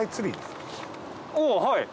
おはい。